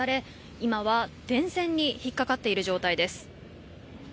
今は電線に引っかかっている状態です。